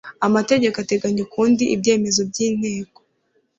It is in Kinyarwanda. amategeko ateganya ukundi ibyemezo by'inteko